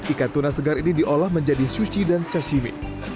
tangan okamoto san ikan tuna segar ini diolah menjadi sushi dan sashimi